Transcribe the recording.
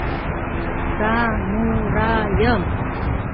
Са-му-ра-йым!